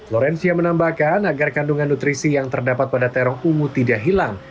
lorencia menambahkan agar kandungan nutrisi yang terdapat pada terong ungu tidak hilang